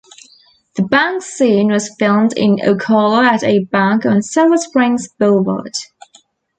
The bank scene was filmed in Ocala at a bank on Silver Springs Boulevard.